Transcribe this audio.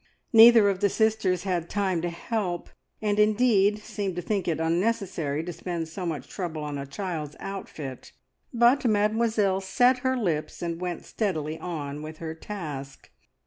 Neither of the sisters had time to help, and indeed seemed to think It unnecessary to spend so much trouble on a child's outfit, but Mademoiselle set her lips and went steadily on with her task.